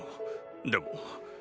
でも。